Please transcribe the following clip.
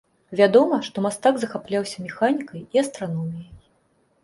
Вядома, што мастак захапляўся механікай і астраноміяй.